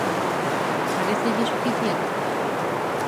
Parécelle suficiente?